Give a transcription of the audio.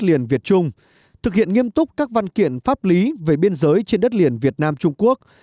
liền việt trung thực hiện nghiêm túc các văn kiện pháp lý về biên giới trên đất liền việt nam trung quốc